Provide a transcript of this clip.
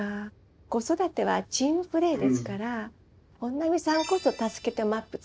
子育てはチームプレーですから本並さんこそ助けてＭＡＰ作りましょう。